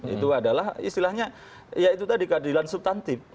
itu adalah istilahnya ya itu tadi keadilan subtantif